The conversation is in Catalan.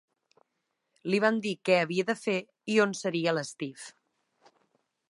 Li van dir què havia de fer i on seria l'Steve.